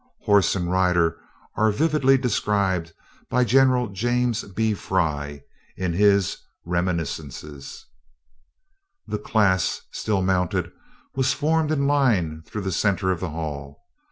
Horse and rider are vividly described by General James B. Fry, in his Reminiscences: "The class, still mounted, was formed in line through the center of the hall.